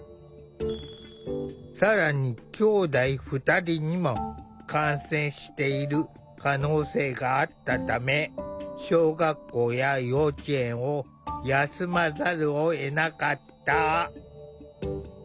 更にきょうだい２人にも感染している可能性があったため小学校や幼稚園を休まざるをえなかった。